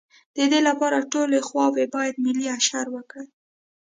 د دې لپاره ټولې خواوې باید ملي اشر وکړي.